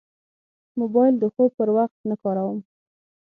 موبایل د خوب پر وخت نه کاروم.